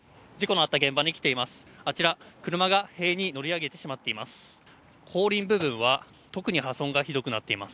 あちら、車が塀に乗り上げてしまっています。